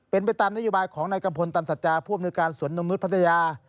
เป็นไปตามนโยบายของนายกัมพลตันสัจจาผู้อำนวยการสวนนมนุษย์พัทยา